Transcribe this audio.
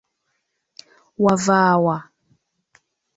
Wava wa?